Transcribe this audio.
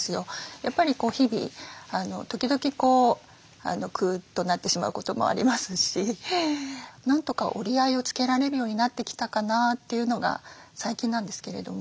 やっぱり日々時々くっとなってしまうこともありますしなんとか折り合いをつけられるようになってきたかなというのが最近なんですけれども。